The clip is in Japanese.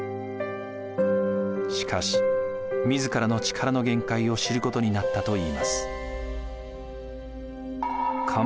しかし自らの力の限界を知ることになったといいます。